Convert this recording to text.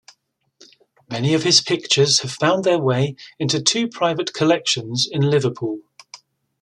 Many of his pictures have found their way into two private collections in Liverpool.